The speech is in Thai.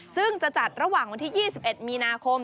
ซึ่งจะจัดระหว่างวันที่๒๑มีนาคม